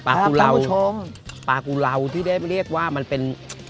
ปลากุล่าวที่ได้เรียกว่ามันเป็น